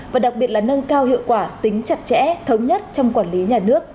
và đặc biệt là nâng cao hiệu quả tính chặt chẽ thống nhất trong quản lý nhà nước